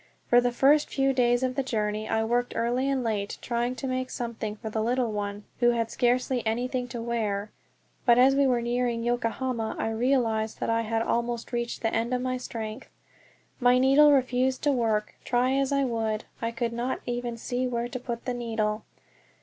For the first few days of the journey I worked early and late trying to make something for the little one, who had scarcely anything to wear; but as we were nearing Yokohama I realized I had almost reached the end of my strength. My needle refused to work; try as I would I could not even see where to put the needle.